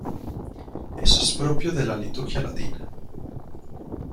Eso es propio de la liturgia latina".